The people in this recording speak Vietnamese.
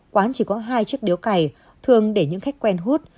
quán chỉ có hai chiếc điếu cày thường để những khách quen hút